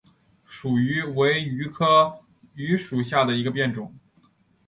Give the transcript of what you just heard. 蜀榆为榆科榆属下的一个变种。